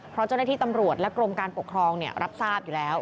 เพราะเจ้าหน้าที่ตำรวจและกรมการปกครองรับทราบอยู่แล้ว